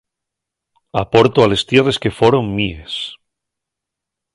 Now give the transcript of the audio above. Aporto a les tierres que foron míes.